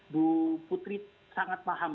bu putri sangat paham